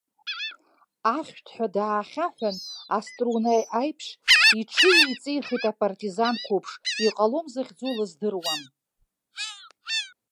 Ахьшәҭҳәа даахьаҳәын, аструна аиԥш иҽыҩеиҵихит апартизан қәыԥш, иҟалом захьӡу лыздыруам.